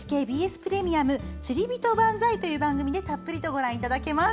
プレミアム「釣りびと万歳」という番組でたっぷりご覧いただけます。